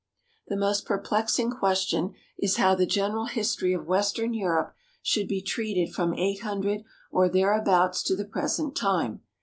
"The most perplexing question is how the general history of Western Europe should be treated from 800 or thereabouts to the present time."